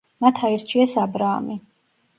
მათ აირჩიეს „აბრაამი“.